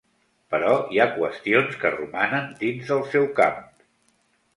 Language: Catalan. Però hi ha qüestions que romanen dins del seu camp.